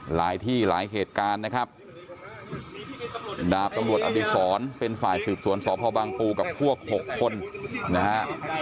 หลายที่หลายเหตุการณ์นะครับดาบตำรวจอดิษรเป็นฝ่ายสืบสวนสพบางปูกับพวก๖คนนะฮะ